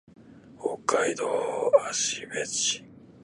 北海道芦別市